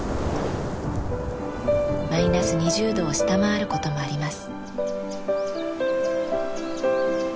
マイナス２０度を下回る事もあります。